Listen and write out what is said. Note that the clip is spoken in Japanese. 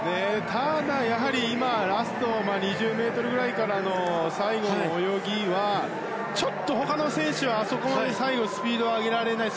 ただ、ラスト２０ｍぐらいからの最後の泳ぎは、ちょっと他の選手はあそこまで最後スピードを上げられない。